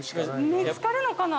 見つかるのかな？